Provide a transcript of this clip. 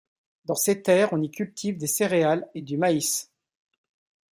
Dans ces terres on y cultive des céréales et du maïs.